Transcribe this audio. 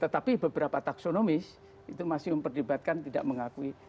tetapi beberapa taksonomis itu masih memperdebatkan tidak mengakui